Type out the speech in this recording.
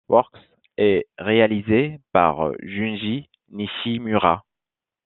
Works et réalisé par Junji Nishimura.